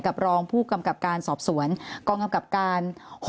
รองผู้กำกับการสอบสวนกองกำกับการ๖